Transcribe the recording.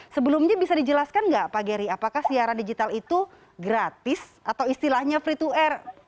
sebelumnya bisa dijelaskan nggak pak geri apakah siaran digital itu gratis atau istilahnya free to air